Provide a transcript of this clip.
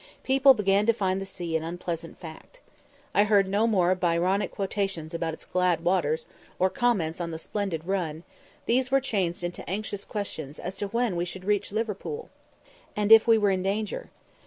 People began to find the sea "an unpleasant fact." I heard no more Byronic quotations about its "glad waters," or comments on the "splendid run" these were changed into anxious questions as to when we should reach Liverpool? and, if we were in danger?